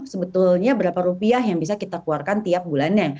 sebetulnya berapa rupiah yang bisa kita keluarkan tiap bulannya